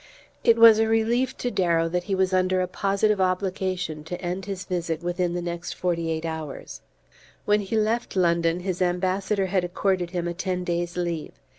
It was a relief to Darrow that he was under a positive obligation to end his visit within the next forty eight hours. When he left London, his Ambassador had accorded him a ten days' leave.